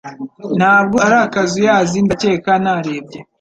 Ntabwo ari akazuyazi ndakeka narebye